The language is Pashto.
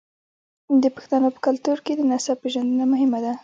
د پښتنو په کلتور کې د نسب پیژندنه مهمه ده.